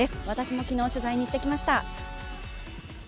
私も昨日、取材に行ってきました。